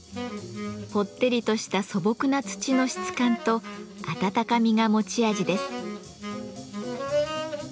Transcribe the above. ぽってりとした素朴な土の質感と温かみが持ち味です。